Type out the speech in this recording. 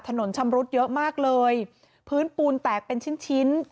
ชำรุดเยอะมากเลยพื้นปูนแตกเป็นชิ้นชิ้น